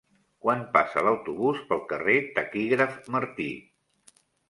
Quan passa l'autobús pel carrer Taquígraf Martí?